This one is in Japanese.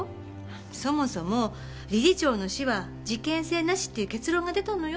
そもそも理事長の死は事件性なしっていう結論が出たのよ？